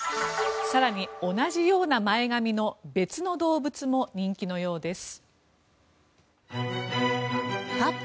更に同じような前髪の別の動物も人気のようです。